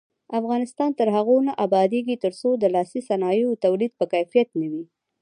افغانستان تر هغو نه ابادیږي، ترڅو د لاسي صنایعو تولید په کیفیت نه وي.